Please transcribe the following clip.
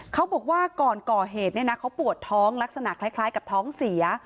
เขาบอกว่าก่อนก่อเหตุเนี่ยนะเขาปวดท้องลักษณะคล้ายกับท้องเสีย